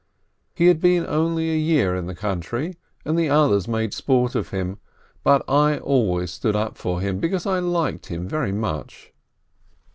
He had been only a year in the country, and the others made sport of him, but I always stood up for him, because I liked him very much.